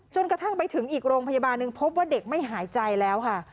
กระทั่งไปถึงอีกโรงพยาบาลหนึ่งพบว่าเด็กไม่หายใจแล้วค่ะ